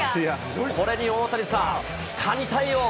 これに大谷さん、神対応。